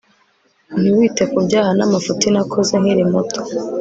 ntiwite ku byaha n'amafuti nakoze nkiri muto